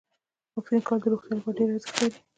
واکسین کول د روغتیا لپاره ډیر ارزښت لري.